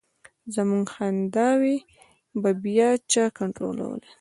زمونږ خنداوې به بیا چا کنټرولولې.